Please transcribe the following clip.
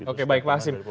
oke baik pak hasim